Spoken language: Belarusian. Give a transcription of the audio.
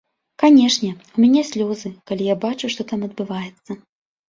Канешне, у мяне слёзы, калі я бачу, што там адбываецца.